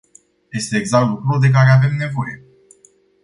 Este exact lucrul de care avem nevoie.